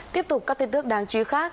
tiếp tục các tin tức đáng chú ý khác